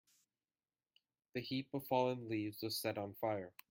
The heap of fallen leaves was set on fire.